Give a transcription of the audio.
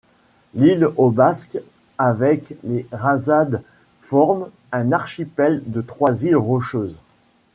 L'île aux Basques avec les Razades forment un archipel de trois îles rocheuses.